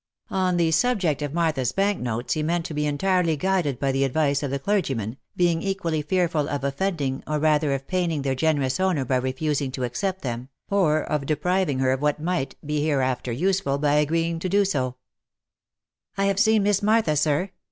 On the subject of Martha's bank notes he meant to be entirely guided by the advice of the clergyman, being equally fearful of offending, or rather of paining their generous owner by refusing to accept them, or of depriving her of what might be hereafter useful, by agreeing to do so. OF MICHAEL ARMSTRONG. 341 " I have seen Miss Martha, sir